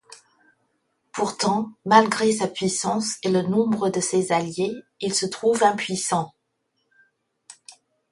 Pourtant, malgré sa puissance et le nombre de ses alliés, il se trouve impuissant.